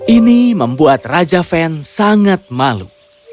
ini membuat raja van sangat malu